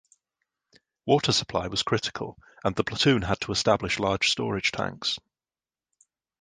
Water supply was critical and the platoon had to establish large storage tanks.